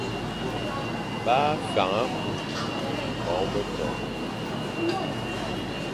Bâ fwan akung bongo be toʼo.